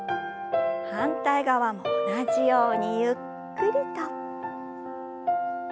反対側も同じようにゆっくりと。